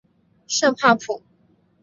圣帕普。